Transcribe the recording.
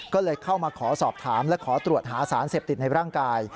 ก็เลยเข้ามาขอสอบถามและขอตรวจหาสารเสพติดในร่างกาย